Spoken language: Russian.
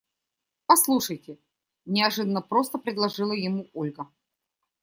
Послушайте, – неожиданно просто предложила ему Ольга.